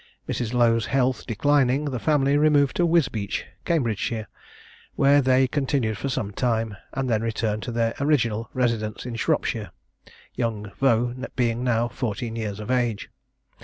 Mrs. Lowe's health declining, the family removed to Wisbeach, Cambridgeshire, where they continued for some time, and then returned to their original residence in Shropshire, young Vaux being now fourteen years of age.